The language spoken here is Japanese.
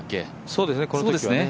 そうですね、このときはね。